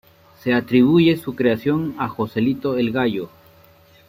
Se atribuye su creación a Joselito el Gallo.